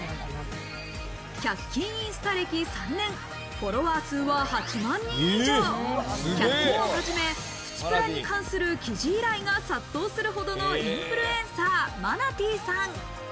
１００均インスタ歴３年、フォロワー数は８万人以上、１００均をはじめ、プチプラに関する記事依頼が殺到するほどのインフルエンサー、マナティさん。